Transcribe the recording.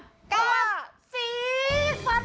สามชาติพี่หมูพงเทศแบบนี้ข้างในหนาวหรือเปล่าไม่ทราบนะครับ